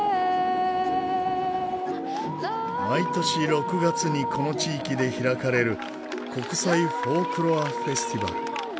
毎年６月にこの地域で開かれる国際フォークロアフェスティバル。